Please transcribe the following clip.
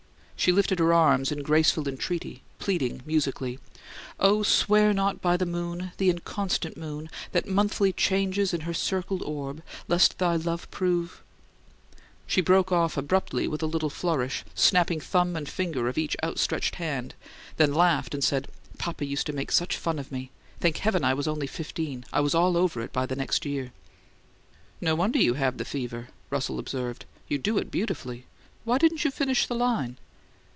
She lifted her arms in graceful entreaty, pleading musically, "O, swear not by the moon, the inconstant moon, That monthly changes in her circled orb, Lest thy love prove " She broke off abruptly with a little flourish, snapping thumb and finger of each outstretched hand, then laughed and said, "Papa used to make such fun of me! Thank heaven, I was only fifteen; I was all over it by the next year." "No wonder you had the fever," Russell observed. "You do it beautifully. Why didn't you finish the line?"